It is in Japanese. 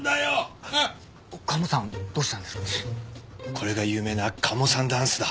これが有名なカモさんダンスだ。